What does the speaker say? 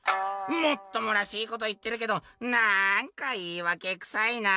「もっともらしいこと言ってるけどなんか言いわけくさいな」。